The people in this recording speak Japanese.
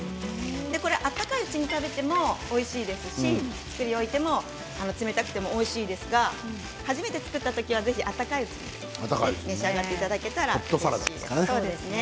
温かいうちに食べてもおいしいし、作りおいても冷たくてもおいしいですが初めて作った時はぜひ温かいうちに召し上がっていただけたらうれしいです。